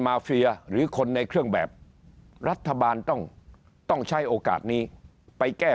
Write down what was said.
มาเฟียหรือคนในเครื่องแบบรัฐบาลต้องต้องใช้โอกาสนี้ไปแก้